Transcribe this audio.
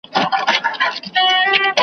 ته څه رقم یې؟